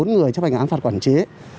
bốn người chấp hành án phạt quản chế